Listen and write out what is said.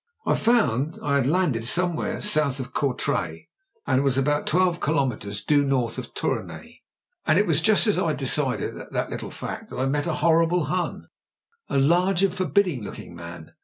I fotmd I had landed somewhere south of Courtrai, and was about twelve kilometres due north of Tournai. "And it was just as I'd decided that little fact that I met a horrible Hun, a large and forbidding looking man.